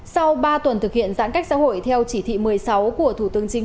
sau ba tuần thực hiện giãn cách xã hội theo chỉ thị một mươi sáu của thủ tướng chính